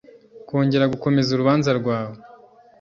kongera gukomeza urubanza rwawe